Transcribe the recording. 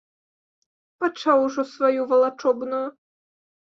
Пачаў ужо сваю валачобную!